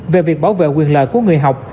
về việc bảo vệ quyền lợi của người học